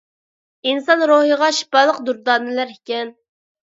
ئىنسان روھىغا شىپالىق دۇردانىلەر ئىكەن.